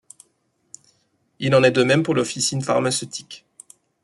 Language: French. Il en est de même pour l'officine pharmaceutique.